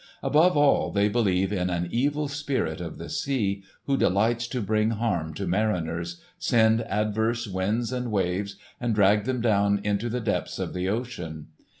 Above all they believe in an Evil Spirit of the sea, who delights to bring harm to mariners, send adverse winds and waves, and drag them down into the depths of the ocean.